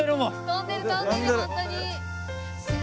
飛んでる飛んでるホントに。